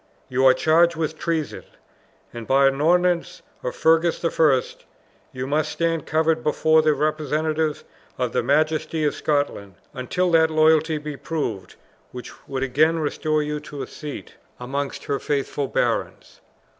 you are charged with treason; and, by an ordinance of Fergus the First, you must stand covered before the representative of the majesty of Scotland until that loyalty be proved, which would again restore you to a seat amongst her faithful barons."